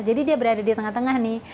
jadi dia berada di tengah tengah nih